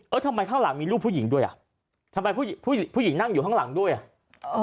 ทำไมข้างหลังมีรูปผู้หญิงด้วยอ่ะทำไมผู้หญิงผู้หญิงนั่งอยู่ข้างหลังด้วยอ่ะเออ